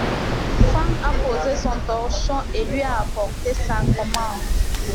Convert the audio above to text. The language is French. Franck a posé son torchon et lui a apporté sa commande.